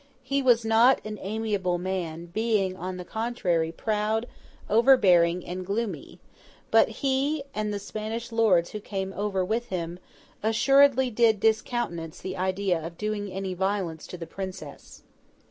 He was not an amiable man, being, on the contrary, proud, overbearing, and gloomy; but he and the Spanish lords who came over with him, assuredly did discountenance the idea of doing any violence to the Princess.